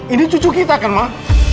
ini cucu kita kan mah